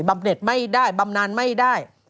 ให้บำเนิดไม่ได้บำนานไม่ได้